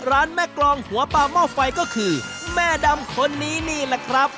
ร้านแม่กรองหัวปลาหม้อไฟก็คือแม่ดำคนนี้นี่แหละครับ